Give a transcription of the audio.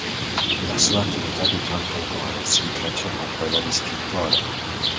La sua attività di cantautore si intreccia con quella di scrittore.